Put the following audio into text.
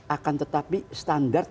akan tetapi standar